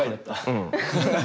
うん。